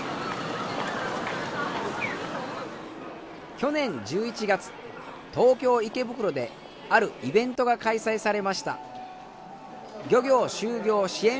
去年１１月東京池袋であるイベントが開催されました。